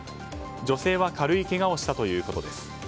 女性は軽いけがをしたということです。